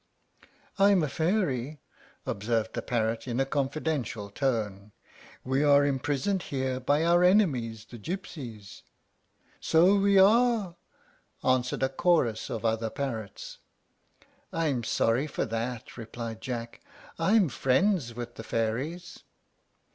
"I'm a fairy," observed the parrot, in a confidential tone. "We are imprisoned here by our enemies the gypsies." "So we are," answered a chorus of other parrots. "I'm sorry for that," replied Jack. "I'm friends with the fairies."